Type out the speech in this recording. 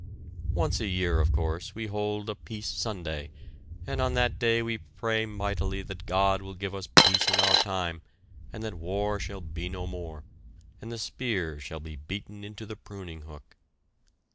Once a year, of course, we hold a Peace Sunday and on that day we pray mightily that God will give us peace in our time and that war shall be no more, and the spear shall be beaten into the pruning hook.